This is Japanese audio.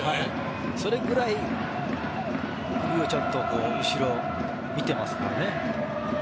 それぐらい、ちゃんと後ろを見てますからね。